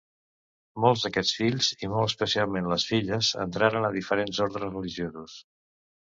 Molts d'aquests fills, i molt especialment les filles, entraren a diferents ordes religiosos.